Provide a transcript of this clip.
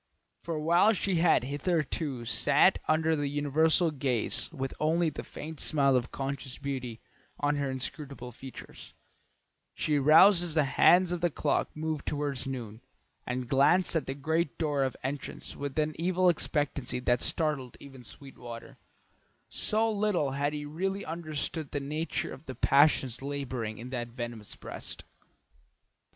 For while she had hitherto sat under the universal gaze with only the faint smile of conscious beauty on her inscrutable features, she roused as the hands of the clock moved toward noon, and glanced at the great door of entrance with an evil expectancy that startled even Sweetwater, so little had he really understood the nature of the passions labouring in that venomous breast.